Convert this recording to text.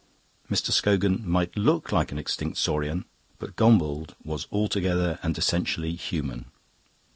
Mr. Scogan might look like an extinct saurian, but Gombauld was altogether and essentially human.